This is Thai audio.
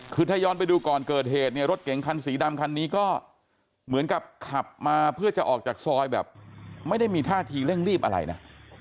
คือถ้าย้อนไปดูก่อนเกิดเหตุเนี่ยรถเก๋งคันสีดำคันนี้ก็เหมือนกับขับมาเพื่อจะออกจากซอยแบบไม่ได้มีท่าทีเร่งรีบอะไรนะ